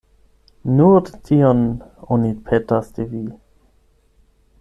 Nur tion oni petas de vi.